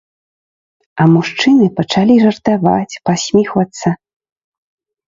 А мужчыны пачалі жартаваць, пасміхвацца.